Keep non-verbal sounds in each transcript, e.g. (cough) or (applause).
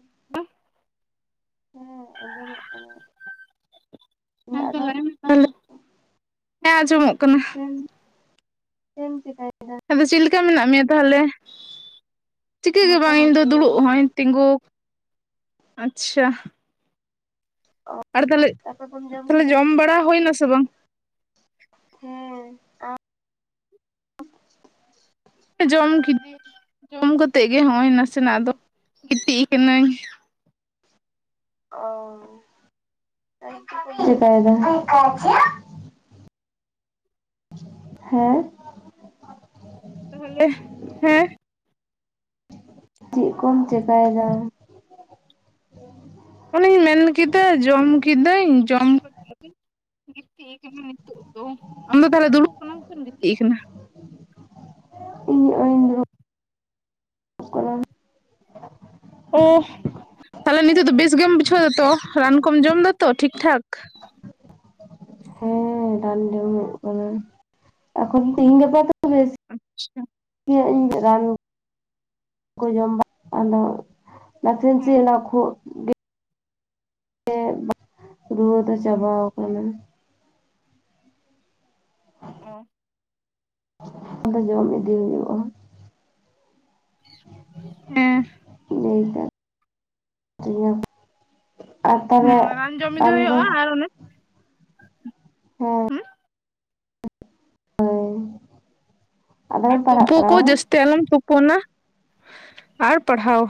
(unintelligible) ᱦᱮᱸ, ᱟᱸᱡᱚᱢᱚᱜ ᱠᱟᱱᱟ᱾ ᱦᱮᱸ, ᱤᱧᱟᱹᱜ ᱛᱚ ᱫᱚ ᱞᱟᱹᱭ ᱢᱮ ᱛᱟᱦᱚᱞᱮ᱾ ᱦᱮᱸ, ᱟᱸᱡᱚᱢᱚᱜ ᱠᱟᱱᱟ᱾ ᱦᱮᱸ, ᱪᱮᱫ ᱮᱢ ᱪᱤᱠᱟᱭ ᱮᱫᱟ? ᱟᱫᱚ ᱪᱮᱫ ᱞᱮᱠᱟ ᱢᱮᱱᱟᱜ ᱢᱮᱭᱟ ᱛᱟᱦᱚᱞᱮ, ᱪᱤᱠᱟᱹ ᱜᱮ ᱵᱟᱝ ᱤᱧ ᱫᱚ ᱢᱚᱴᱟᱢᱩᱴᱤ ᱫᱩᱲᱩᱵ ᱦᱚᱸᱚᱭ ᱛᱤᱸᱜᱩ ᱟᱪᱪᱷᱟ᱾ ᱚ ᱟᱨ ᱛᱟᱦᱚᱞᱮ, ᱛᱟᱨᱯᱚᱨ ᱠᱚᱢ ᱛᱟᱦᱚᱞᱮ ᱠᱮᱫᱟ ᱡᱚᱢ ᱵᱟᱲᱟ ᱦᱩᱭᱱᱟ ᱥᱮ ᱵᱟᱝ? ᱦᱮᱸ᱾ ᱟᱢ ᱡᱚᱢ ᱠᱤᱫᱤᱧ, ᱡᱚᱢ ᱠᱟᱛᱮ ᱜᱮ ᱱᱚᱜᱼᱚᱭ ᱱᱟᱥᱮᱱᱟᱜ ᱟᱫᱚ ᱜᱤᱛᱤᱡ ᱠᱟᱹᱱᱟᱹᱧ᱾ ᱚᱻ (unintelligible) ᱪᱤᱠᱟᱹᱭᱮᱫᱟ? ᱦᱮᱸ᱾ ᱮ ᱦᱮᱸ᱾ ᱪᱮᱫ ᱠᱚᱢ ᱪᱤᱠᱟᱭ ᱮᱫᱟ? ᱚᱱᱮᱧ ᱢᱮᱱᱠᱮᱫᱟ ᱡᱚᱢ ᱠᱤᱫᱟᱹᱧ ᱡᱚᱢ᱾ (unintelligible) ᱱᱤᱛᱚᱜ ᱫᱚ, ᱟᱢᱫᱚ ᱛᱟᱦᱚᱞᱮ ᱫᱩᱲᱩᱵ ᱠᱟᱱᱟᱢ ᱥᱮᱢ ᱜᱤᱛᱤᱡ ᱟᱠᱟᱱᱟ? (inaudible) ᱤᱧ ᱟᱭ᱾ (unintelligible) ᱠᱚᱨᱟᱣ ᱚ ᱛᱟᱦᱚᱞᱮ ᱱᱤᱛᱳᱜ ᱫᱚ ᱵᱮᱥ ᱜᱮᱢ ᱵᱩᱡᱷᱟᱹᱣ ᱫᱟᱛᱚ, ᱨᱟᱱ ᱠᱚᱢ ᱡᱚᱢ ᱫᱟᱛᱚ ᱴᱷᱤᱠ ᱴᱷᱟᱠ? ᱦᱮᱸ ᱨᱟᱱ ᱡᱚᱢ ᱦᱩᱭᱩᱜ ᱠᱟᱱᱟ, ᱮᱠᱷᱚᱱ ᱛᱮᱦᱤᱧ ᱜᱟᱯᱟ ᱛᱚ ᱵᱮᱥ ᱟᱪᱪᱷᱟ᱾ ᱦᱮᱸ ᱤᱧ ᱨᱟᱱ ᱠᱚ ᱡᱚᱢ ᱵᱟᱲᱟ ᱟᱫᱚ ᱱᱟᱥᱮ ᱪᱮᱫ ᱦᱮᱸ ᱚᱱᱟ ᱠᱷᱚᱜ ᱜᱮ ᱨᱩᱣᱟᱹ ᱫᱚ ᱪᱟᱵᱟ ᱟᱠᱟᱱᱟ᱾ ᱚ᱾ ᱟᱫᱚ ᱡᱚᱢ ᱤᱫᱤᱭ ᱦᱩᱭᱩᱜᱼᱟ᱾ ᱦᱮᱸ (inaudible) ᱱᱟᱹᱭᱟ ᱴᱟᱜ᱾ (unintelligible) ᱟᱨ ᱛᱟᱦᱚᱞᱮ ᱦᱩᱸ ᱨᱟᱱ ᱡᱚᱢ ᱤᱫᱤ ᱟᱢᱫᱚ ᱦᱩᱭᱩᱜᱼᱟ ᱟᱨ ᱚᱱᱮ ᱦᱮᱸ᱾ ᱦᱩᱸ ᱦᱳᱭ ᱟᱨ ᱟᱫᱚᱢ ᱯᱟᱲᱦᱟᱜ ᱛᱩᱯᱩ ᱠᱚ ᱠᱟᱱᱟ ᱡᱟᱹᱥᱛᱤ ᱟᱞᱚᱢ ᱛᱩᱯᱳᱱᱟ, ᱟᱨ ᱯᱟᱲᱦᱟᱣ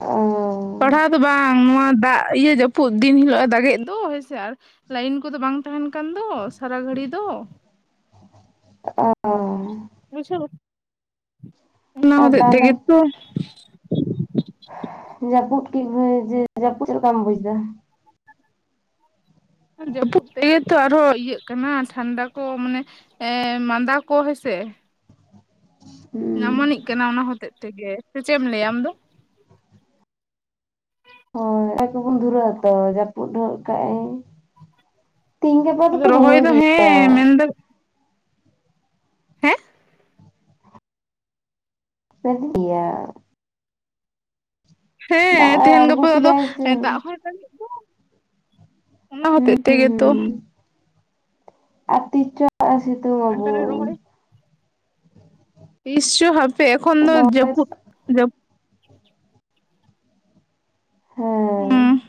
ᱚᱻ᱾ ᱯᱟᱲᱦᱟᱣ ᱫᱚ ᱵᱟᱝ ᱱᱚᱣᱟ ᱫᱟᱜ ᱤᱭᱟᱹ ᱡᱟᱹᱯᱩᱫ ᱫᱤᱱ ᱦᱤᱞᱳᱜᱼᱮ ᱫᱟᱜᱼᱮᱫ ᱫᱚ ᱦᱮᱸᱭ ᱥᱮ ᱟᱨ ᱞᱟᱭᱤᱱ ᱠᱚᱫᱚ ᱵᱟᱝ ᱛᱟᱦᱮᱱ ᱠᱟᱱ ᱫᱚ ᱥᱟᱨᱟ ᱜᱷᱟᱹᱲᱤ ᱫᱚ ᱚᱸᱜ ᱚ ᱵᱩᱡᱷᱟᱹᱣ, ᱚᱱᱟ ᱟᱨ ᱦᱚᱸᱛᱮᱛ ᱛᱟᱦᱚᱞᱮ ᱛᱮᱜᱮ ᱛᱚ᱾ ᱡᱟᱹᱯᱩᱫ (unintelligible) ᱡᱮ ᱡᱟᱹᱯᱩᱫ ᱪᱮᱫ ᱞᱮᱠᱟᱢ ᱵᱩᱡ ᱫᱟ? ᱡᱟᱹᱯᱩᱫ ᱛᱮᱜᱮ ᱛᱚ ᱟᱨᱦᱚᱸ ᱤᱭᱟᱹᱜ ᱠᱟᱱᱟ ᱴᱷᱟᱱᱰᱟ ᱠᱚ ᱢᱟᱱᱮ ᱮ ᱢᱟᱸᱫᱟ ᱠᱚ ᱦᱚᱸᱭ ᱥᱮ᱾ ᱦᱩᱸ᱾ ᱟᱢᱟᱱᱤᱜ ᱠᱟᱱᱟ ᱚᱱᱟ ᱦᱚᱛᱮᱫ ᱛᱮᱜᱮ, ᱥᱮ ᱪᱮᱫ ᱮᱢ ᱞᱟᱹᱭᱼᱟ ᱟᱢ ᱫᱚ? ᱦᱳᱭ, (unintelligible) ᱠᱚᱵᱚᱱ ᱫᱷᱩᱨᱟᱹᱜ ᱟᱛᱚ ᱡᱟᱹᱯᱩᱫ ᱦᱚᱜ ᱠᱟ ᱤᱧ᱾ ᱛᱤᱦᱤᱧ ᱜᱟᱯᱟ ᱟᱫᱚ ᱫᱳᱠᱳ ᱨᱚᱦᱚᱭ ᱨᱩᱦᱟᱜ ᱫᱚ ᱜᱮᱭᱟ᱾ ᱦᱮᱸ ᱢᱮᱱᱫᱚ ᱦᱮᱸ (unintelligible) ᱫᱟᱜ ᱦᱮᱸ ᱮ ᱛᱮᱦᱮᱱ ᱟᱬᱜᱚ ᱜᱟᱯᱟ ᱫᱚ ᱠᱮᱫᱟᱭ ᱥᱮ ᱫᱟᱜ ᱦᱚᱸ ᱫᱟᱜ ᱮᱫ ᱫᱚ ᱚᱱᱟ ᱦᱚᱛᱮ ᱦᱩᱸ ᱛᱮᱜᱮ ᱛᱚ ᱦᱩᱸ ᱟᱨ ᱛᱤᱥ ᱪᱚ ᱦᱟᱜ ᱥᱤᱛᱩᱝ ᱟᱨ ᱵᱟᱵᱩ ᱛᱟᱦᱞᱮ ᱨᱚᱦᱚᱭ ᱛᱤᱥ ᱪᱚ ᱦᱟᱯᱮ ᱮᱠᱷᱚᱱ ᱫᱚ ᱨᱚᱦᱚᱭ ᱡᱟᱹᱯᱩᱫ ᱡᱟᱹᱯᱩᱫ ᱦᱩᱸ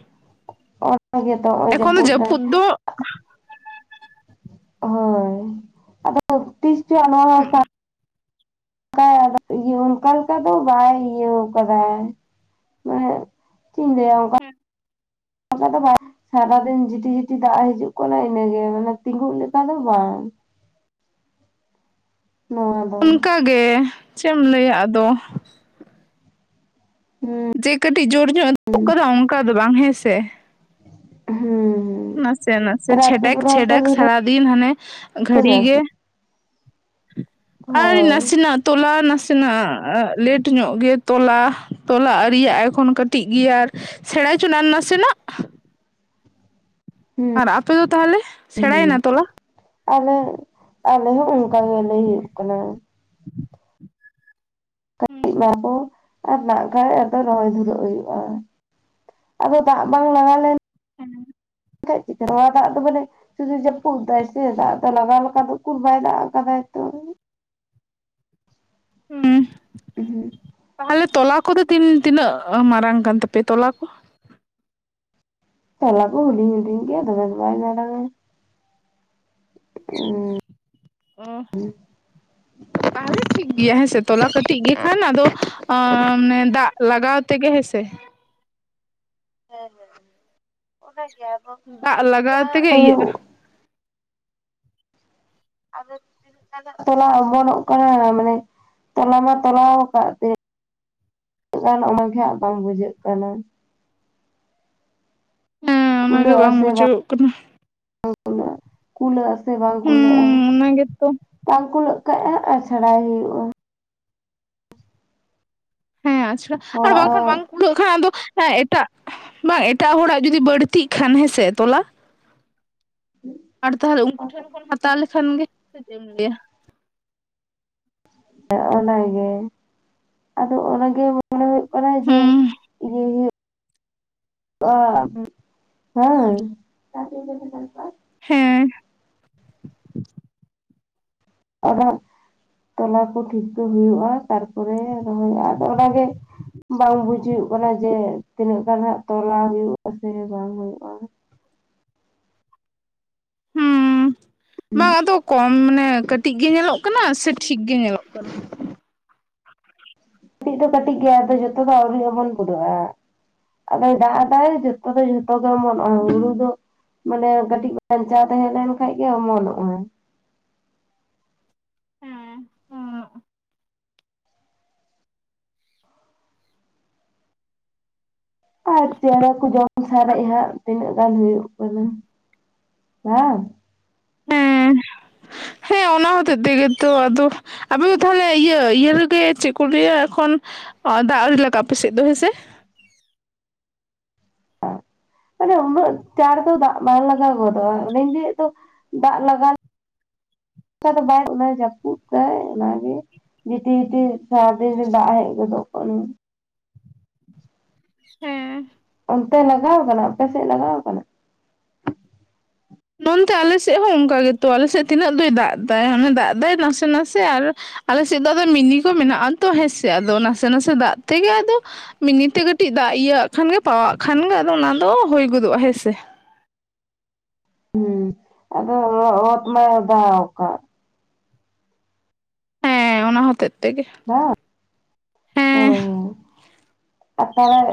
ᱚᱱᱛᱮ ᱜᱮᱛᱚ ᱱᱚ. ᱜᱚᱭ ᱮᱠᱷᱚᱱ ᱫᱚ ᱡᱟᱹᱯᱩᱫ ᱫᱟᱭ ᱫᱚ ᱦᱳᱭ ᱟᱫᱚ ᱛᱤᱥ ᱡᱟᱱᱩᱣᱟᱨᱤ ᱛᱟᱢ ᱦᱮᱸ ᱤᱭᱟ. ᱚᱱᱠᱟ ᱞᱮᱠᱟ ᱟᱫᱚ ᱵᱟᱭ ᱤᱭᱟ. ᱠᱟᱫᱟ᱾ ᱮᱦᱮᱜ ᱪᱮᱫ ᱤᱧ ᱞᱟᱹᱭ ᱟ ᱚᱱᱠᱟ ᱚᱱᱠᱟ ᱞᱮᱠᱟ ᱫᱚ ᱵᱟᱭ ᱥᱟᱨᱟᱫᱤᱱ ᱡᱷᱤᱴᱤ ᱡᱷᱤᱴᱤ ᱫᱟᱜ ᱦᱤᱡᱩᱜ ᱠᱟᱱᱟ ᱤᱱᱟᱹ ᱜᱮ ᱢᱟᱱᱮ ᱛᱤᱸᱜᱩᱜ ᱞᱮᱠᱟ ᱫᱚ ᱵᱟᱝ ᱱᱚᱣᱟ ᱫᱚ ᱚᱱᱠᱟ ᱜᱮ ᱪᱮᱫ ᱮᱢ ᱞᱟᱹᱭ ᱟ ᱟᱫᱚ ᱦᱩᱸ ᱡᱮ ᱠᱟᱹᱴᱤᱡ ᱡᱳᱨ ᱧᱚᱜ (unintelligible) ᱠᱟᱫᱟ ᱚᱱᱠᱟ ᱫᱚ ᱵᱟᱝ ᱦᱮᱸᱥᱮ ᱦᱩᱸᱦᱩ ᱱᱟᱥᱮ ᱱᱟᱥᱮ ᱪᱮᱰᱟᱠ ᱪᱷᱰᱟᱠ ᱥᱟᱨᱟ ᱫᱤᱱ ᱦᱟᱱᱮ ᱜᱷᱟᱹᱲᱤ ᱱᱟ ᱜᱮ᱾ ᱥᱮ ᱟᱨ ᱦᱳᱭ ᱱᱟᱥᱮᱱᱟᱜ ᱛᱚᱞᱟ ᱱᱟᱥᱮᱱᱟᱜ ᱞᱮᱴ ᱧᱚᱜ ᱜᱮ ᱛᱚᱞᱟ ᱛᱚᱞᱟ ᱟᱨᱤᱭᱟᱜ ᱮᱠᱷᱚᱱ ᱠᱟᱹᱴᱤᱡ ᱜᱮᱭᱟ ᱟᱨ, ᱥᱮᱬᱟᱭ ᱦᱚᱪᱚ ᱱᱟᱥᱮᱱᱟᱜ᱾ ᱦᱩᱸ ᱟᱨ ᱟᱯᱮ ᱫᱚ ᱛᱟᱦᱚᱞᱮ ᱥᱮᱬᱟᱭ ᱦᱩᱸ ᱮᱱᱟ ᱛᱚᱞᱟ? ᱟᱞᱮ ᱟᱞᱮ ᱦᱚᱸ ᱚᱱᱠᱟ ᱜᱮᱞᱮ ᱦᱩᱭᱩᱜ ᱠᱟᱱᱟ᱾ ᱢᱟᱠᱚ ᱟᱨ ᱱᱟ ᱠᱷᱟᱱᱡ ᱟᱫᱚ ᱨᱚᱦᱚᱭ ᱫᱷᱩᱨᱟᱹᱜ ᱦᱩᱭᱩᱜ-ᱟ‌᱾ ᱟᱫᱚ ᱫᱟᱜ ᱵᱟᱝ ᱞᱟᱜ ᱞᱮᱱ, ᱦᱮᱸ (unintelligible) ᱥᱩᱫᱤ ᱡᱟᱯᱩᱫ ᱫᱟᱭ ᱥᱮ ᱫᱟᱜ ᱫᱚ ᱞᱟᱜᱟᱣ ᱞᱮᱠᱟ ᱫᱚ ᱵᱟᱭ ᱫᱟᱜ ᱠᱟᱫᱟᱭ ᱛᱚ᱾ ᱦᱩ ᱛᱟᱦᱚᱞᱮ ᱛᱚᱞᱟ ᱠᱚᱫᱚ ᱛᱤᱱ ᱛᱤᱱᱟᱹᱜ ᱢᱟᱨᱟᱝ ᱠᱟᱱ ᱛᱟᱯᱮᱭᱟ ᱛᱚᱞᱟ ᱠᱚ? ᱛᱟᱞᱟ ᱠᱚ ᱦᱩᱰᱤᱧ ᱦᱩᱰᱤᱧ ᱜᱮᱭᱟ ᱛᱚᱵᱮ ᱫᱚ ᱵᱟᱭ ᱢᱟᱨᱟᱝ ᱟ᱾ ᱚ ᱚ ᱛᱟᱦᱚᱞᱮ ᱴᱷᱤᱠ ᱜᱮᱭᱟ ᱦᱮᱸ ᱥᱮ ᱛᱚᱞᱟ ᱠᱟᱹᱴᱤᱡ ᱜᱮ ᱠᱷᱟᱱ ᱟᱫᱚ ᱢᱟᱱᱮ ᱫᱟᱜ, ᱞᱟᱜᱟᱣ ᱛᱮᱜᱮ ᱦᱮᱸ ᱥᱮ, ᱦᱮᱸ ᱦᱮᱸ ᱚᱱᱟ ᱜᱮ᱾ ᱫᱟᱜ ᱞᱟᱜᱟᱣ ᱛᱮᱜᱮ ᱤᱭᱟ-ᱟ᱾ ᱟᱫᱚ ᱛᱚᱞᱟ ᱚᱢᱚᱱᱚᱜ ᱠᱟᱱᱟ ᱢᱟᱱᱮ ᱛᱚᱞᱟ ᱢᱟ ᱛᱚᱞᱟᱣ ᱟᱠᱟᱫ ᱛᱮ, ᱩᱱᱟᱹᱜ ᱜᱟᱱ ᱚᱱᱟᱜᱮ ᱦᱟᱸᱜ ᱵᱟᱝ ᱵᱩᱡᱷᱟᱹᱜ ᱠᱟᱱᱟ᱾ ᱦᱮᱸ ᱠᱩᱞᱟᱹ ᱚᱱᱟᱜᱮ ᱟᱥᱮ‌‌ ᱵᱟᱝ ᱵᱩᱡᱷᱟᱹᱜ ᱠᱟᱱᱟ ᱠᱩᱞᱟᱹ ᱟ ᱠᱩᱞᱟᱹᱜ ᱟᱥᱮ ᱵᱟᱝ ᱦᱩᱸ ᱠᱩᱞᱟᱹᱜ-ᱟ ᱚᱱᱟᱜᱮ ᱛᱚ ᱵᱟᱝ ᱠᱩᱞᱟᱹᱜ ᱠᱟᱜ-ᱟ ᱟᱪᱲᱟᱭ ᱦᱩᱭᱩᱜ-ᱟ᱾ ᱦᱮᱸ ᱟᱪᱷᱟ ᱟᱨ ᱦᱚᱲᱟᱜ ᱵᱟᱝᱠᱷᱟᱱ ᱵᱟᱝ‌, ᱦᱚᱸ ᱠᱩᱞᱟᱜ ᱠᱷᱟᱱ ᱟᱫᱚ ᱮᱴᱟᱜ ᱵᱟᱝ ᱮᱴᱟᱜ ᱦᱚᱲᱟᱜ ᱡᱩᱫᱤ ᱵᱟᱹᱲᱛᱤᱜ ᱠᱷᱟᱱ ᱦᱮᱸᱥᱮ ᱛᱚᱞᱟ‌᱾ ᱟᱨ ᱛᱟᱦᱚᱞᱮ ᱩᱱᱠᱩ ᱴᱷᱮᱱ ᱦᱟᱛᱟᱣ ᱞᱮᱠᱷᱟᱱ ᱜᱮ ᱪᱮᱫ ᱮᱢ ᱞᱟᱹᱭ ᱟ ᱚᱱᱟᱜᱮ ᱟᱫᱚ ᱚᱱᱟᱜᱮ ᱢᱚᱱᱮ ᱦᱩᱭᱩᱜ ᱠᱟᱱᱟ ᱡᱮ, ᱦᱩᱸ (unintelligible) ᱦᱮᱸ ᱾ ᱚᱱᱟ, ᱛᱚᱞᱟ ᱠᱚ ᱴᱷᱤᱠᱟᱹ ᱦᱩᱭᱩᱜᱼᱟ, ᱛᱟᱨ ᱛᱟᱯᱚᱨᱮ ᱨᱚᱦᱚᱭᱜ-ᱟ, ᱟᱫᱚ ᱚᱱᱟᱜᱮ ᱵᱟᱝ ᱵᱩᱡ ᱦᱩᱭᱩᱜ ᱠᱟᱱᱟ ᱡᱮ, ᱛᱤᱱᱟᱹᱜ ᱜᱟᱱ ᱦᱟᱜ ᱛᱚᱞᱟ ᱦᱩᱭᱩᱜᱼᱟ, ᱥᱮ ᱵᱟᱝ ᱦᱩᱭᱩᱜᱼᱟ ᱾ ᱦᱩᱸ ᱵᱟᱝ ᱟᱫᱚ ᱠᱚᱢ ᱢᱟᱱᱮ, ᱠᱟᱹᱴᱤᱡ ᱜᱮ ᱧᱮᱞᱚᱜ ᱠᱟᱱᱟ ᱥᱮ, ᱴᱷᱤᱠ ᱜᱮ ᱧᱮᱞᱚᱜ ᱠᱟᱱᱟ? ᱠᱟᱹᱴᱤᱡ ᱫᱚ ᱠᱟᱹᱴᱤᱡ ᱜᱮᱭᱟ, ᱟᱫᱚ ᱡᱚᱛᱚ ᱫᱚ, ᱟᱹᱣᱨᱤ ᱚᱢᱚᱱ ᱯᱩᱨᱟᱹᱣᱼᱟ ᱾ ᱟᱫᱚᱭ ᱫᱟᱜ ᱫᱟᱭ, ᱡᱚᱛᱚ ᱫᱚ ᱡᱷᱚᱛᱚ ᱜᱮ ᱚᱢᱚᱱᱚᱜᱼᱟ, ᱦᱩᱲᱩ ᱫᱚ ᱾ ᱢᱟᱱᱮ ᱠᱟᱹᱴᱤᱡ ᱵᱟᱧᱪᱟᱣ, ᱛᱟᱦᱮᱸ ᱞᱮᱱ ᱠᱷᱟᱱᱡᱜᱮ ᱚᱢᱚᱱᱚᱜᱼᱟ ᱾ ᱦᱮᱸ ᱟᱨ ᱪᱮᱬᱮ ᱠᱚ ᱡᱚᱢ ᱥᱟᱨᱮᱡ ᱦᱟᱸᱜ, ᱛᱤᱱᱟᱹᱜ ᱜᱟᱱ ᱦᱩᱭᱩᱜ ᱠᱟᱱᱟ ᱵᱟᱝ? ᱦᱮᱸ, ᱦᱮᱸ, ᱚᱱᱟ ᱦᱚᱛᱮᱫ ᱛᱮᱜᱮ ᱛᱚ ᱟᱫᱚ ᱟᱯᱮᱫᱚ ᱛᱟᱦᱞᱮ, ᱤᱭᱟᱹ, ᱤᱭᱟᱹ ᱨᱮᱜᱮ ᱪᱮᱫ ᱠᱚ ᱞᱟᱹᱭᱟ, ᱮᱠᱷᱚᱱ ᱚ ᱫᱟᱜ ᱟᱣᱨᱤ ᱞᱟᱜᱟᱜᱼᱟ, ᱯᱮᱥᱮᱫ ᱫᱚ ᱦᱮᱸᱥᱮ? ᱢᱟᱱᱮ ᱩᱱᱟᱹᱜ ᱪᱟᱬ ᱫᱚ, ᱫᱟᱜ ᱵᱟᱝ ᱞᱟᱜᱟᱣ ᱜᱚᱫᱚᱜᱼᱟ, ᱚᱱᱮᱧ ᱞᱟᱹᱭᱮᱫ ᱫᱚ ᱫᱟᱜ ᱞᱟᱜᱟᱣ ᱞᱮᱠᱟ ᱫᱚ, ᱵᱟᱭ ᱡᱟᱹᱯᱩᱫ ᱫᱟᱭ ᱚᱱᱟᱜᱮ ᱾ ᱡᱤᱴᱤᱞ, ᱡᱤᱴᱤᱞ ᱥᱟᱨᱟᱫᱤᱱ ᱜᱮ, ᱫᱟᱜ ᱦᱮᱡ ᱜᱚᱫᱚᱜ ᱠᱟᱱᱟ ᱾ ᱦᱮᱸ, ᱚᱱᱛᱮ ᱞᱟᱜᱟᱣ ᱠᱟᱱᱟ, ᱟᱯᱮᱥᱮᱫ ᱞᱟᱜᱟᱣ ᱠᱟᱱᱟ? ᱱᱚᱱᱛᱮ ᱟᱞᱮᱥᱮᱫ ᱦᱚᱸ ᱚᱱᱠᱟ ᱜᱮᱛᱚ, ᱟᱞᱮᱥᱮᱫ ᱛᱤᱱᱟᱹᱜ ᱫᱚᱭ ᱫᱟᱜ ᱫᱟᱭ, ᱟᱱᱮ ᱫᱟᱜ ᱫᱟᱭ, ᱱᱟᱥᱮ ᱱᱟᱥᱮ ᱟᱨ ᱟᱞᱮ ᱥᱮᱫ ᱫᱚ ᱟᱫᱚ, ᱢᱤᱱᱤ ᱠᱚ ᱢᱮᱱᱟᱜᱼᱟ ᱛᱚ, ᱦᱮᱸᱥᱮ ᱟᱫᱚ ᱱᱟᱥᱮ ᱱᱟᱥᱮ ᱫᱟᱜ ᱛᱮᱜᱮ ᱟᱫᱚ ᱢᱤᱱᱤ ᱛᱮ ᱠᱟᱹᱴᱤᱡ ᱫᱟᱜ ᱤᱭᱟᱹ ᱠᱷᱟᱱᱜᱮ ᱯᱟᱣᱼᱟᱜ ᱠᱷᱟᱱ ᱜᱮ, ᱟᱫᱚ ᱚᱱᱟ ᱫᱚ ᱦᱩᱭ ᱜᱚᱫᱚᱜᱼᱟ ᱦᱮᱸᱥᱮ ᱾ ᱦᱩᱸ, ᱟᱫᱚ ᱚᱛ ᱢᱟᱭ ᱚᱫᱟᱣ ᱟᱠᱟᱫ ᱾ ᱦᱮᱸ ᱚᱱᱟ ᱦᱚᱛᱮᱫ ᱛᱮᱜᱮ᱾ ᱦᱮ, ᱦᱳᱭ, ᱦᱮᱸ ᱦᱳᱭ, ᱟᱨ ᱛᱟᱦᱞᱮ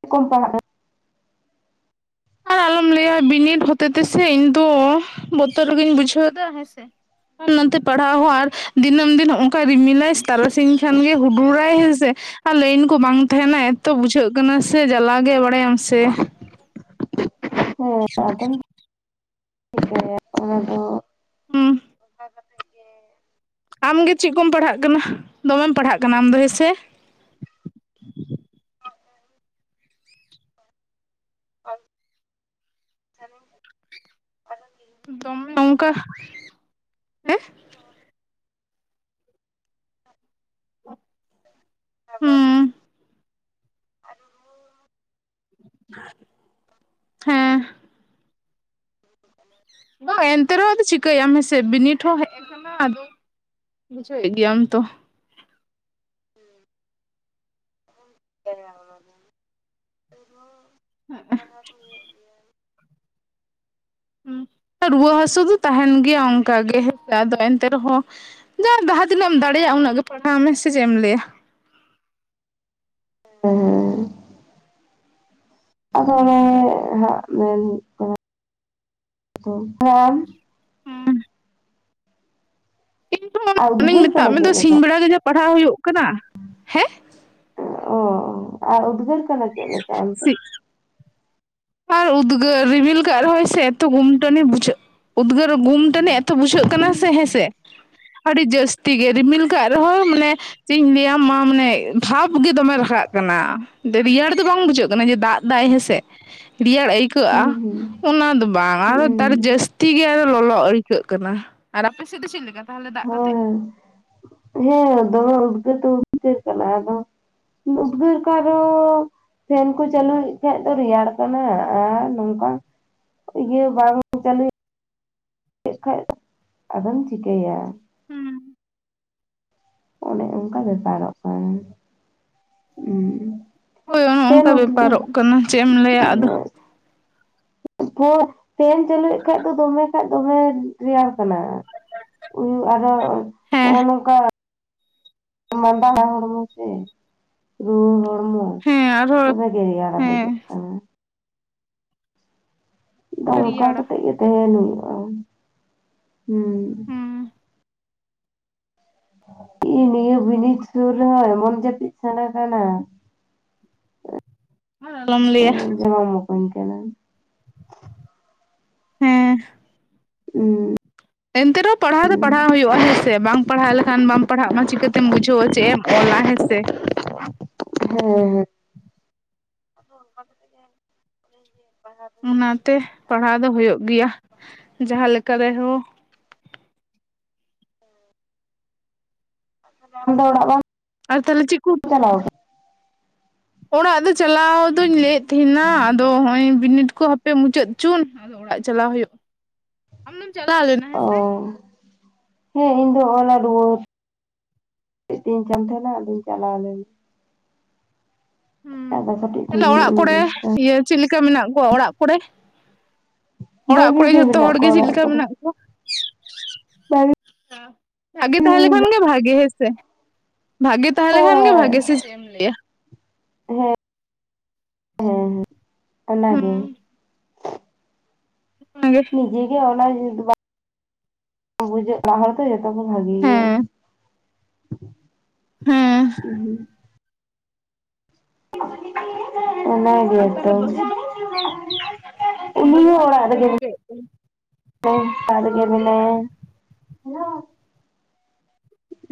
ᱪᱮᱫ ᱠᱚᱢ ᱯᱟᱲᱟᱜ ᱠᱟᱱᱟ? ᱟᱨ ᱟᱞᱚᱢ ᱞᱟᱹᱭᱟ, ᱵᱤᱱᱤᱰ ᱦᱚᱛᱮ ᱛᱮᱥᱮ ᱤᱧ ᱫᱚ, ᱵᱚᱛᱚᱨ ᱜᱮᱤᱧ ᱵᱩᱡᱷᱟᱹᱣ ᱫᱟ ᱦᱮᱸ ᱥᱮ᱾ ᱚᱱᱟᱛᱮ ᱯᱟᱲᱦᱟᱣ ᱦᱚᱸ, ᱟᱨ ᱫᱤᱱᱟᱹᱢ ᱫᱤᱱ ᱦᱚᱸ-ᱚᱝᱠᱟᱭ, ᱨᱤᱢᱤᱞᱟᱭ ᱛᱟᱨᱟᱥᱤᱧ ᱠᱷᱟᱱ ᱜᱮ ᱦᱩᱰᱩᱨᱟᱭ ᱦᱮᱸᱥᱮ᱾ ᱟᱨ ᱞᱟᱭᱤᱱ ᱠᱚ ᱵᱟᱝ ᱛᱟᱦᱮᱸᱱᱟ, ᱮᱛᱚ ᱵᱩᱡᱷᱟᱹᱜ ᱠᱟᱱᱟ, ᱥᱮ ᱡᱟᱞᱟ ᱜᱮ ᱵᱟᱲᱟᱭᱟᱢ ᱥᱮ᱾ ᱦᱮᱸ ᱟᱫᱚᱢ, ᱪᱤᱠᱟᱹᱭᱟ ᱚᱱᱟ ᱫᱚ᱾ ᱦᱩᱸ, ᱟᱢ ᱜᱮ ᱪᱮᱫ ᱠᱚᱢ ᱯᱟᱲᱦᱟᱜ ᱠᱟᱱᱟ, ᱫᱚᱢᱮᱢ ᱯᱟᱲᱦᱟᱜ ᱠᱟᱱᱟ ᱟᱢ ᱫᱚ, ᱦᱮᱸᱥᱮ? (unintelligible) (inaudible) ᱫᱚᱢᱮ ᱚᱝᱠᱟ ᱦᱮᱸ ᱦᱩᱸ, (inaudible) (inaudible) ᱦᱮᱸ, (inaudible) (inaudible) ᱵᱟᱝ ᱮᱱᱛᱮ ᱨᱮᱦᱚᱸ ᱟᱫᱚ, ᱪᱤᱠᱟᱹᱭᱟᱢ ᱦᱮᱸᱥᱮ, ᱵᱤᱱᱤᱰ ᱦᱚᱸ ᱦᱮᱡ ᱠᱟᱱᱟ ᱟᱫᱚ ᱵᱩᱡᱷᱟᱹᱣ ᱮᱜ ᱜᱮᱭᱟᱢ ᱛᱚ᱾ ᱵᱩᱡᱷᱟᱣ ᱧᱟᱢᱟ ᱫᱟᱹᱧ᱾ ᱟᱨ (unintelligible) ᱦᱩ, ᱨᱩᱣᱟᱹ ᱦᱟᱹᱥᱩ ᱫᱚ, ᱛᱟᱦᱮᱱ ᱜᱮᱭᱟ, ᱚᱱᱠᱟ ᱜᱮ ᱟᱫᱚ ᱮᱱᱛᱮ ᱨᱮᱦᱚᱸ ᱡᱟᱦᱟᱸ ᱡᱟᱦᱟᱸ ᱛᱤᱱᱟᱹᱜ ᱮᱢ ᱫᱟᱲᱮᱭᱟᱜ-ᱟ, ᱩᱱᱟᱹᱜ ᱜᱮ ᱯᱟᱲᱦᱟᱣ ᱢᱮ ᱥᱮ ᱪᱮᱫ ᱮᱢ ᱞᱟᱹᱭᱟ? ᱦᱮᱸ, ᱦᱮᱸ᱾ ᱟᱫᱚ ᱚᱱᱮ ᱦᱟᱸᱜ, ᱢᱮᱱ ᱦᱩᱭᱩᱜ ᱠᱟᱱᱟ, ᱦᱮᱸ, ᱦᱮ ᱟᱢ? ᱤᱧ ᱢᱟ ᱟᱨ ᱚᱱᱮᱧ ᱩᱫᱽᱜᱟᱹᱨ ᱢᱮᱛᱟᱜ ᱠᱟᱱᱟ ᱢᱮ ᱫᱚ, ᱪᱮᱫ ᱞᱮᱠᱟ ᱥᱤᱧ ᱵᱮᱲᱟ ᱜᱮ ᱡᱟ ᱯᱟᱲᱦᱟᱣ ᱦᱳᱭᱳᱜ ᱠᱟᱱᱟ᱾ ᱦᱮᱸ? ᱚ, ᱟᱨ ᱩᱫᱽᱜᱟᱹᱨ ᱠᱟᱱᱟ ᱪᱮᱫ ᱞᱮᱠᱟ ᱚᱱᱛᱮ? ᱟᱨ ᱩᱫᱽᱜᱟᱹᱨ ᱨᱤᱢᱤᱞ ᱠᱟᱜ ᱨᱮᱦᱚᱸᱭ ᱥᱮ ᱮᱛᱚ ᱜᱩᱢᱴᱟᱹᱱᱤ ᱵᱩᱡᱷᱟᱹᱜ, ᱩᱫᱽᱜᱟᱹᱨ ᱜᱩᱢᱴᱟᱹᱱᱤ ᱮᱛᱚ ᱵᱩᱡᱷᱟᱹᱜ ᱠᱟᱱᱟ ᱥᱮ ᱦᱮᱸᱥᱮ, ᱟᱹᱰᱤ ᱡᱟᱹᱥᱛᱤ ᱜᱮ ᱨᱤᱢᱤᱞ ᱠᱟᱜ ᱨᱮᱦᱚᱸ ᱢᱟᱱᱮ ᱪᱮᱫ ᱤᱧ ᱞᱟᱹᱭᱟ ᱢᱟ ᱢᱟᱱᱮ ᱵᱷᱟᱵᱽ ᱜᱮ ᱫᱚᱢᱮ ᱨᱟᱠᱟᱵ ᱠᱟᱱᱟ, ᱨᱮᱭᱟᱲ ᱫᱚ ᱵᱟᱝ ᱵᱩᱡᱷᱟᱹᱜ ᱠᱟᱱᱟ ᱡᱮ ᱫᱟᱜ ᱫᱟᱭ ᱦᱮᱸᱥᱮ ᱨᱮᱭᱟᱲ ᱦᱩᱸ ᱟᱹᱭᱠᱟᱹᱜᱼᱟ᱾ ᱦᱩᱸ ᱚᱱᱟ ᱫᱚ ᱵᱟᱝ ᱟᱨᱦᱚ ᱦᱩᱸ ᱛᱟᱨ ᱡᱟᱹᱥᱛᱤ ᱜᱮ ᱟᱫᱚ ᱞᱚᱞᱚ ᱟᱹᱭᱠᱟᱹᱜ ᱠᱟᱱᱟ᱾ ᱟᱨ ᱟᱯᱮ ᱥᱮᱫ ᱫᱚ ᱪᱮᱫ ᱞᱮᱠᱟ? ᱛᱟᱦᱚᱞᱮ ᱫᱟᱜ ᱠᱟᱛᱮᱜ ᱦᱳᱭ ᱦᱮᱸ, ᱫᱚᱢᱮ ᱩᱫᱽᱜᱟᱹᱨ ᱫᱚ ᱩᱫᱽᱜᱟᱹᱨ ᱠᱟᱱᱟ ᱟᱫᱚ, ᱩᱫᱽᱜᱟᱹᱨ ᱠᱟ ᱫᱚ, ᱯᱷᱮᱱ ᱠᱚ ᱪᱟᱹᱞᱩᱭᱮᱫ ᱠᱷᱟᱡ ᱫᱚ ᱨᱮᱭᱟᱲ ᱠᱟᱱᱟ ᱟᱨ ᱱᱚᱝᱠᱟ, ᱤᱭᱟᱹ ᱵᱟᱝ (unintelligible) ᱟᱫᱚᱢ ᱪᱤᱠᱟᱹᱭᱟ, ᱦᱩᱸ, ᱚᱱᱮ ᱚᱱᱠᱟ ᱵᱮᱯᱟᱨᱚᱜ ᱠᱟᱱᱟ᱾ ᱦᱩᱸ, ᱦᱳᱭ ᱚᱱᱮ ᱚᱱᱠᱟ ᱵᱮᱯᱟᱨᱚᱜ ᱠᱟᱱᱟ ᱪᱮᱫ ᱮᱢ ᱞᱟᱹᱭᱟ ᱟᱫᱚ (unintelligible) ᱯᱷᱮᱱ ᱪᱟᱹᱞᱩᱭᱮᱫ ᱠᱷᱟᱡ ᱫᱚ ᱫᱚᱢᱮ ᱠᱷᱟᱡ ᱫᱚᱢᱮ ᱨᱮᱭᱟᱲ ᱠᱟᱱᱟ᱾ ᱦᱩᱸ ᱟᱨᱦᱚ ᱦᱮᱸ ᱦᱚᱸᱜ-ᱚ ᱱᱚᱝᱠᱟ, ᱢᱟᱸᱫᱟᱱᱟᱜ ᱦᱚᱲᱢᱚ ᱥᱮ ᱨᱩᱭᱟᱹ ᱦᱚᱲᱢᱚ᱾ ᱦᱮᱸ ᱟᱨᱦᱚᱸ ᱫᱚᱢᱮ ᱜᱮ ᱨᱮᱭᱟᱲ ᱦᱮᱸ ᱵᱩᱡᱷᱟᱜ ᱠᱟᱱᱟ᱾ ᱟᱫᱚ ᱚᱱᱠᱟ ᱦᱟᱹᱨᱭᱟᱹᱲᱟ ᱠᱟᱛᱮᱜ ᱜᱮ ᱛᱟᱦᱮᱱ ᱦᱩᱭᱩᱜ-ᱟ᱾ ᱦᱩᱸ, ᱦᱮᱸ ᱱᱤᱭᱟᱹ ᱵᱤᱱᱤᱰ ᱥᱩᱨ ᱨᱮᱦᱚᱸ ᱮᱢᱚᱱ ᱡᱟᱹᱯᱤᱫ ᱥᱟᱱᱟ ᱠᱟᱱᱟ᱾ ᱟᱨ ᱟᱞᱚᱢ ᱞᱟᱹᱭᱟ᱾ ᱡᱚᱢ ᱢᱚᱠᱚᱧ ᱠᱟᱱᱟ᱾ ᱦᱮᱸ, ᱦᱩᱸ, ᱮᱱᱛᱮ ᱨᱮᱦᱚᱸ ᱯᱟᱲᱦᱟᱣ ᱫᱚ ᱯᱟᱲᱦᱟᱣ ᱦᱩᱭᱩᱜᱼᱟ ᱦᱮᱸ ᱥᱮ? ᱵᱟᱝ ᱯᱟᱲᱦᱟᱣ ᱞᱮᱠᱷᱟᱱ ᱵᱟᱢ ᱯᱟᱲᱦᱟᱜ ᱢᱟ ᱪᱤᱠᱟᱹᱛᱮᱢ ᱵᱩᱡᱷᱟᱹᱣᱟ ᱪᱮᱫ ᱮᱢ ᱚᱞᱟ ᱦᱮᱸ ᱥᱮ? ᱦᱮᱸ ᱦᱮᱸ, ᱟᱫᱚ ᱚᱱᱠᱟ ᱠᱟᱛᱮ ᱜᱮ, (inaudible) ᱚᱱᱟᱛᱮ ᱯᱟᱲᱦᱟᱣ ᱫᱚ ᱦᱩᱭᱩᱜ ᱜᱮᱭᱟ᱾ ᱡᱟᱦᱟᱸ ᱞᱮᱠᱟ ᱨᱮᱦᱚᱸ, ᱟᱢ ᱫᱚ ᱚᱲᱟᱜ ᱵᱟᱢ ᱟᱨ ᱛᱟᱦᱚᱞᱮ ᱪᱤᱠ ᱠᱚ ᱩᱛᱩ? ᱪᱟᱞᱟᱣ ᱠᱟᱱᱟ ᱚᱲᱟᱜ ᱫᱚ ᱪᱟᱞᱟᱣ ᱫᱩᱧ ᱞᱟᱹᱭᱮᱫ ᱛᱟᱦᱮᱱᱟ ᱟᱫᱚ ᱦᱚᱸᱜ -ᱚᱭ ᱵᱤᱱᱤᱰ ᱠᱚ ᱦᱟ ᱯᱮ ᱢᱩᱪᱟᱹᱫ ᱪᱩᱱ ᱟᱫᱚ ᱚᱲᱟᱜ ᱪᱟᱞᱟᱣ ᱦᱩᱭᱩᱜᱼᱟ᱾ ᱟᱢ ᱫᱚᱢ ᱪᱟᱞᱟᱣ ᱞᱮᱱᱟ? ᱦᱮᱸᱥᱮ ᱚ, ᱦᱮᱸ ᱤᱧ ᱫᱚ ᱚᱞᱟ ᱨᱩᱣᱟᱹᱲ, ᱤᱫᱤᱧ ᱠᱟᱱ ᱛᱟᱦᱮᱱᱟ ᱟᱫᱚᱧ ᱪᱟᱞᱟᱣ ᱞᱮᱱᱟ᱾ ᱦᱩ, ᱟᱫᱚ ᱠᱟᱹᱴᱤᱡ ᱴᱷᱤᱠ ᱛᱟᱦᱞᱮ ᱧᱚᱜ ᱚᱲᱟᱜ ᱤᱧ ᱠᱚᱨᱮ, ᱵᱩᱡᱽ ᱮᱫᱟ ᱤᱭᱟᱹ ᱪᱮᱫ ᱞᱮᱠᱟ ᱢᱮᱱᱟᱜ ᱠᱚᱣᱟ ᱚᱲᱟᱜ ᱠᱚᱨᱮ? ᱚᱲᱟᱜ ᱵᱷᱟᱹᱜᱤ ᱠᱚᱨᱮ ᱜᱮ ᱡᱷᱚᱛᱚ ᱢᱮᱱᱟᱜ ᱦᱚᱲᱜᱮ ᱠᱚᱣᱟ ᱪᱮᱫ ᱚᱲᱟᱜ ᱞᱮᱠᱟ ᱠᱚᱨᱮ ᱢᱮᱱᱟᱜ ᱠᱚᱣᱟ? ᱵᱷᱟᱹᱜᱤ ᱵᱷᱟᱜᱮ ᱛᱟᱦᱮᱸᱞᱮᱠᱷᱟᱱ ᱜᱮ ᱵᱷᱟᱜᱮ ᱦᱮᱸᱥᱮ? ᱵᱷᱟᱜᱮ ᱛᱟᱦᱮᱸᱞᱮᱠᱷᱟᱱ ᱜᱮ ᱦᱳᱭ ᱵᱷᱟᱜᱮ ᱥᱮ ᱪᱮᱫ ᱮᱢ ᱞᱟᱹᱭᱟ? ᱦᱮᱸ (inaudible) ᱦᱮᱸ (inaudible) ᱦᱩᱸ ᱚᱱᱟᱜᱮ᱾ ᱚᱱᱟᱜᱮ, ᱱᱤᱡᱮ ᱜᱮ ᱚᱱᱟ (unintelligible) ᱵᱩᱡᱷᱟᱹᱜ (inaudible) ᱚᱲᱟᱜ ᱦᱚᱲ ᱠᱚ ᱡᱚᱛᱚᱠᱚ ᱵᱷᱟᱜᱤ ᱜᱮᱭᱟ᱾ ᱦᱮᱸ ᱦᱮᱸ ᱦᱩ, (unintelligible) ᱚᱱᱟᱜᱮ ᱟᱨ ᱛᱚ, ᱛᱟᱦᱚᱞᱮ ᱵᱟᱹᱦᱩ ᱫᱚ (unintelligible) ᱵᱟᱹᱦᱩ ᱫᱚ ᱪᱮᱫ ᱠᱚᱭ ᱪᱤᱠᱟᱹᱭᱮᱫ ᱛᱮ? (inaudible) ᱥᱟᱲᱜᱮ ᱢᱱᱟᱭᱟ (inaudible)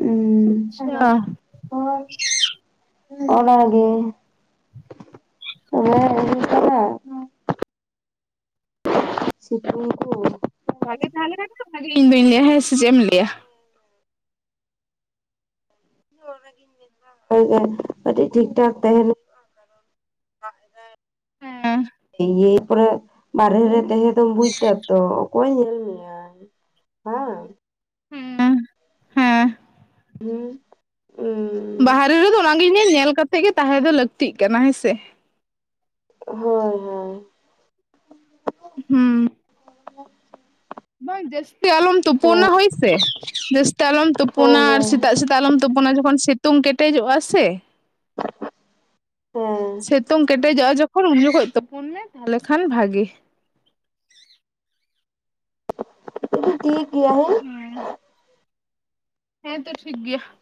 ᱦᱸ ᱟᱪᱪᱷᱟ (unintelligible) ᱚᱱ ᱜᱮ (unintelligible) ᱦᱸ (unintelligible) (unintelligible) ᱥᱤᱛᱩᱝ ᱠᱩ ᱵᱷᱟᱜᱮ ᱛᱟᱸᱦᱮ ᱞᱮᱱᱠᱷᱟᱱ ᱵᱷᱟᱜᱮ ᱤᱧ ᱫᱩᱧ ᱞᱟᱹᱭᱟ ᱦᱮᱸ ᱥᱮ ᱪᱮᱫ ᱮᱢ ᱞᱟᱹᱭᱟ᱾ (inaudible) ᱤᱧ ᱚᱱᱟᱜᱤᱧ ᱢᱮᱱᱫᱟ ᱠᱟᱴᱤᱡ ᱴᱷᱤᱠ ᱴᱷᱟᱠ ᱛᱟᱦᱮᱱ (inaudible) ᱦᱮᱸ (inaudible) ᱤᱭᱟ ᱠᱚᱨᱮ ᱵᱟᱨᱦᱮ ᱨᱮ ᱛᱟᱦᱮᱸ ᱫᱚᱢ ᱵᱩᱡᱽ ᱫᱟ ᱛᱚ ᱚᱠᱚᱭ ᱧᱮᱞ ᱢᱮᱭᱟ, ᱵᱟᱝᱼᱼ ᱦᱩᱸ (inaudible) ᱦᱮᱸ ᱦᱮᱸ (inaudible) ᱦ ᱵᱟᱦᱨᱮ ᱨᱮᱫᱚ ᱚᱱᱟᱜᱮᱧ ᱞᱟᱹᱭᱟ ᱧᱮᱞ ᱠᱟᱛᱮᱜ ᱜᱮ ᱛᱟᱦᱮᱸ ᱫᱚ ᱞᱟᱹᱠᱛᱤᱜ ᱠᱟᱱᱟ ᱦᱮᱸᱥᱮ ᱾ ᱦᱚᱭ ᱦᱚᱭ ᱾ ᱦᱩᱸ ᱡᱟᱹᱥᱛᱤ ᱟᱞᱚᱢ ᱛᱩᱯᱩᱱᱟ ᱦᱮᱸ ᱦᱚᱭ ᱥᱮ, ᱡᱟᱹᱥᱛᱤ ᱟᱞᱚᱢ ᱛᱩᱯᱩᱱᱟ ᱦᱳᱭ ᱟᱨ ᱦᱳᱭ ᱥᱮᱛᱟᱜ ᱥᱮᱛᱟᱜ ᱟᱞᱚᱢ ᱛᱩᱯᱩᱱᱟ ᱡᱚᱠᱷᱚᱱ ᱥᱤᱛᱩᱝ ᱠᱮᱴᱮᱡᱚᱜᱼᱟ ᱥᱮ ᱦᱮᱸ ᱥᱤᱛᱩᱝ ᱠᱮᱴᱮᱡᱚᱜᱼᱟ ᱡᱚᱠᱷᱚᱱ ᱩᱱ ᱡᱚᱠᱷᱚᱡ ᱛᱩᱯᱩᱱ ᱢᱮ ᱛᱟᱦᱚᱞᱮ ᱠᱷᱟᱱ ᱵᱷᱟᱜᱤ ᱾ (unintelligible) ᱴᱷᱤᱠ ᱜᱮᱭᱟ ᱦᱮᱸ ᱾ ᱦᱮᱸ ᱛᱚ ᱴᱷᱤᱠ ᱜᱮᱭᱟ ᱾